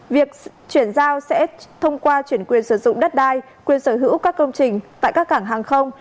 việc chuyển giao sẽ thông qua chuyển quyền sử dụng đất đai quyền sở hữu các công trình tại các cảng hàng không